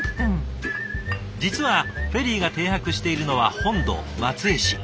実はフェリーが停泊しているのは本土松江市。